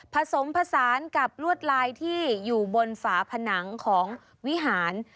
ผสมผสานกับลวดลายที่อยู่บนฝาผนังของวิหาร